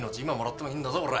今もらってもいいんだぞ。